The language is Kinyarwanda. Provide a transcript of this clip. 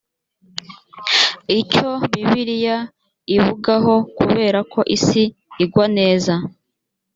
icyo bibiliya ib ugaho kubera ko isi igwaneza